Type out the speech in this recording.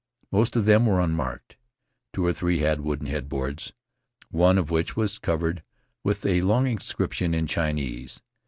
Most of them were unmarked. Two or three had wooden headboards, one of which was covered with a long inscription in Chinese.